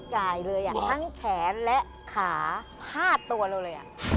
กายเลยอ่ะทั้งแขนและขา๕ตัวเลยอ่ะ